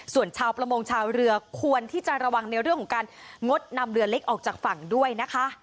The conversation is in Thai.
ส่วนชาวประมงชาวเรือควรที่จะระวังในเรื่องของการงดนำเรือเล็กออกจากฝั่งด้วยนะคะ